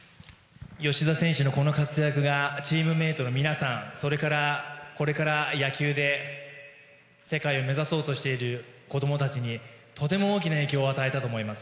吉田選手の、この活躍がチームメートの皆さんそれからこれから野球で世界を目指そうとしている子供たちにとても大きな影響を与えたと思います。